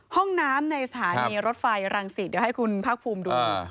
ห้องน้ำในสถานีรถไฟรังสิตเดี๋ยวให้คุณภาคภูมิดู